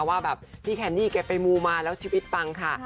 ว่าแบบพี่แคนดี้แกไปมูมาแล้วชีวิตปังค่ะ